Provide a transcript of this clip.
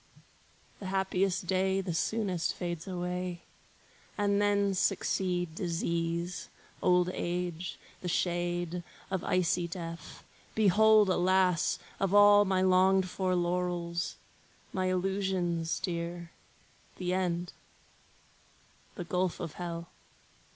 The happiest day the soonest fades away; And then succeed disease, old age, the shade Of icy death. Behold, alas! Of all My longed for laurels, my illusions dear, The end,—the gulf of hell!